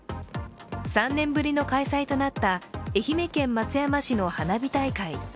３年ぶりの開催となった愛媛県松山市の花火大会。